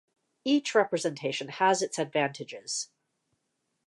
Each representation has its advantages.